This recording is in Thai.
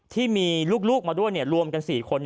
ที่มีลูกมาด้วยรวมกัน๔คน